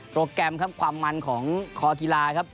แกรมครับความมันของคอกีฬาครับ